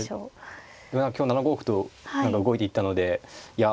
今日７五歩と動いていったのでいや